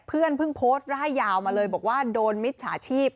เพื่อนเพิ่งโพสต์ร่ายยาวมาเลยบอกว่าโดนมิจฉาชีพ